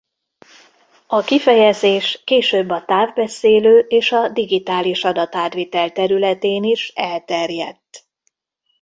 A kifejezés később a távbeszélő és a digitális adatátvitel területén is elterjedt.